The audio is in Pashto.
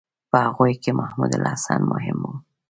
په هغوی کې محمودالحسن مهم و.